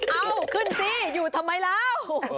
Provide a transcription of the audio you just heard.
เอาขึ้นสิอยู่ทำไมแล้ว